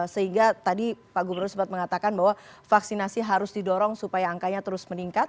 sehingga tadi pak gubernur sempat mengatakan bahwa vaksinasi harus didorong supaya angkanya terus meningkat